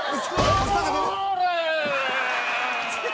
ゴール！